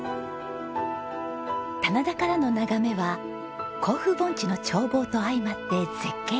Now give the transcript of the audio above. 棚田からの眺めは甲府盆地の眺望と相まって絶景です。